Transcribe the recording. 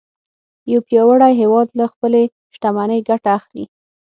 یو پیاوړی هیواد له خپلې شتمنۍ ګټه اخلي